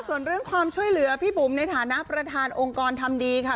ส่วนเรื่องความช่วยเหลือพี่บุ๋มในฐานะประธานองค์กรทำดีค่ะ